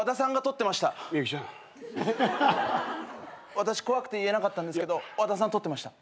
私怖くて言えなかったんですけど和田さん取ってました。